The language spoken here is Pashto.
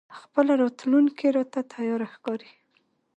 خپله راتلونکې راته تياره ښکاري.